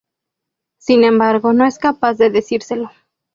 Sin embargo, no es capaz de decírselo.